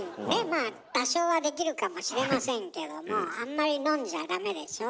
まあ多少はできるかもしれませんけどもあんまり飲んじゃダメでしょ。